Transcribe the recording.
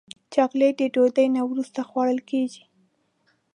چاکلېټ د ډوډۍ نه وروسته خوړل کېږي.